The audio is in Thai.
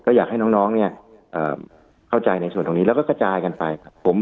ก็อยากให้น้องเข้าใจในส่วนตรงนี้แล้วก็กระจายกันไป